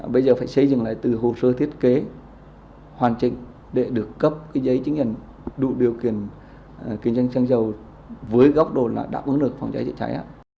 bây giờ phải xây dựng lại từ hồ sơ thiết kế hoàn chỉnh để được cấp giấy chứng nhận đủ điều kiện kinh doanh xăng dầu với góc đồn đã có được phòng cháy chữa cháy